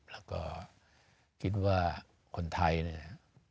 แล้วก็คิดว่าคนไทยเนี่ย